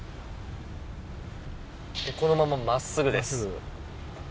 このまま真っすぐです。